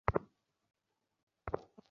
দক্ষিণ আফ্রিকায় বোর দের সাথে লড়াই হয়েছিল।